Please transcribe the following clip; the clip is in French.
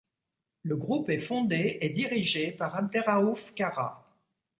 Le groupe est fondé et dirigé par Abderraouf Kara.